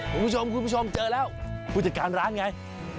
ทุกคนพูดผู้ชมเจอแล้วผู้จัดการร้านไง